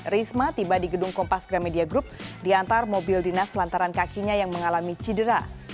risma tiba di gedung kompas gramedia group diantar mobil dinas lantaran kakinya yang mengalami cedera